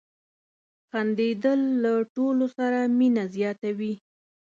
• خندېدل له ټولو سره مینه زیاتوي.